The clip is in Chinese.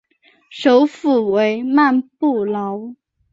首府为曼布劳。